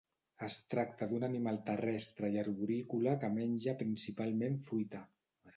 Es tracta d'un animal terrestre i arborícola que menja principalment fruita.